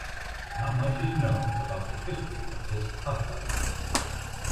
Not much is known about the history of this kata.